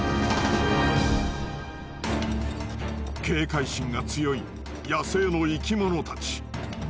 警戒心が強い野生の生き物たち。